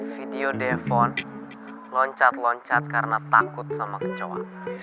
video defon loncat loncat karena takut sama kecoa